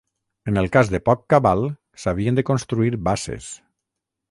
En el cas de poc cabal s'havien de construir basses.